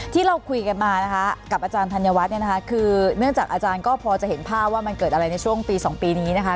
ที่เราคุยกันมานะคะกับอาจารย์ธัญวัฒน์เนี่ยนะคะคือเนื่องจากอาจารย์ก็พอจะเห็นภาพว่ามันเกิดอะไรในช่วงปี๒ปีนี้นะคะ